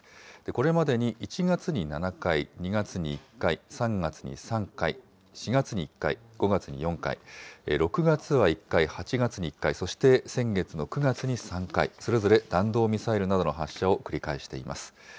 これまでに１月に７回、２月に１回、３月に３回、４月に１回、５月に４回、６月は１回、８月に１回、そして先月の９月に３回、それぞれ弾道ミサイルなどの発射を繰り返しています。